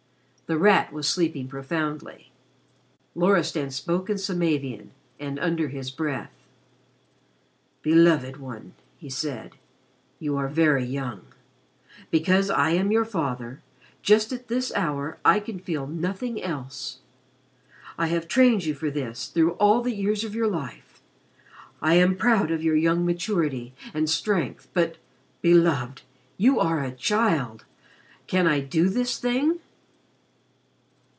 The Rat was sleeping profoundly. Loristan spoke in Samavian and under his breath. "Beloved one," he said. "You are very young. Because I am your father just at this hour I can feel nothing else. I have trained you for this through all the years of your life. I am proud of your young maturity and strength but Beloved you are a child! Can I do this thing!"